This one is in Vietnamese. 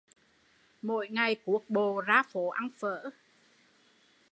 Mỗi ngày cuốc bộ ra phố ăn phở